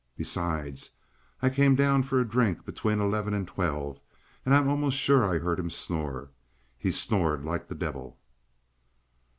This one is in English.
Besides, I came down for a drink between eleven and twelve, and I'm almost sure I heard him snore. He snored like the devil."